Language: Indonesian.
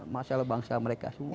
masalah bangsa mereka semua